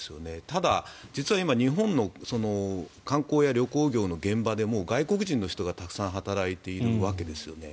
ただ、実は今日本の観光や旅行業の現場で外国人の人がたくさん働いているわけですよね。